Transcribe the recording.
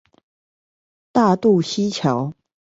大肚溪橋